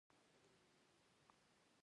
طلا د افغانستان د صادراتو برخه ده.